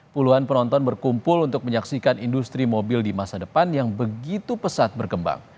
puluhan penonton berkumpul untuk menyaksikan industri mobil di masa depan yang begitu pesat berkembang